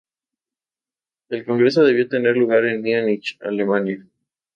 El congreso debió tener lugar en Múnich, Alemania.